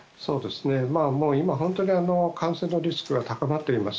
今、本当に感染のリスクが高まっています。